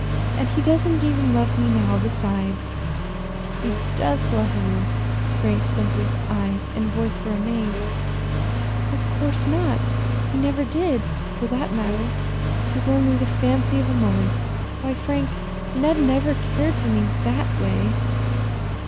"And he doesn't even love me now, besides." "He doesn't love you!" Frank Spencer's eyes and voice were amazed. "Of course not! He never did, for that matter. 'Twas only the fancy of a moment. Why, Frank, Ned never cared for me that way!"